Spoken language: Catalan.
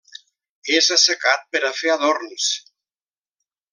És assecat per a fer adorns.